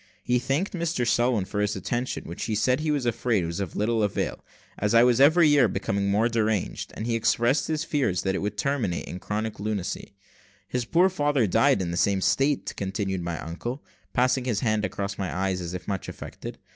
He thanked Mr Selwin for his attention, which he said he was afraid was of little avail, as I was every year becoming more deranged; and he expressed his fears that it would terminate in chronic lunacy "His poor father died in the same state," continued my uncle, passing his hand across his eyes, as if much affected.